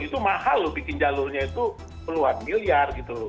itu mahal loh bikin jalurnya itu keluhan miliar gitu